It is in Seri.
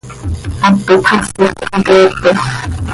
Hap ipxasi quih hxoqueepe.